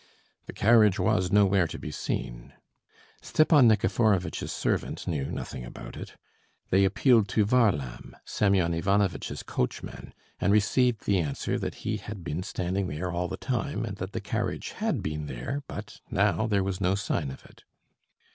The carriage was nowhere to be seen. Stepan Nikiforovitch's servant knew nothing about it. They appealed to Varlam, Semyon Ivanovitch's coachman, and received the answer that he had been standing there all the time and that the carriage had been there, but now there was no sign of it.